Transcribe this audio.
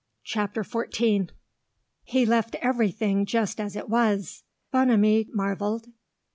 CHAPTER FOURTEEN "He left everything just as it was," Bonamy marvelled.